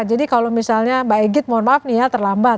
jadi kalau misalnya mbak egit mohon maaf nih ya terlambat